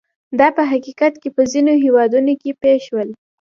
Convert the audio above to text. دا په حقیقت کې په ځینو هېوادونو کې پېښ شول.